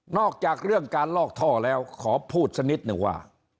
อกจากเรื่องการลอกท่อแล้วขอพูดสักนิดนึงว่า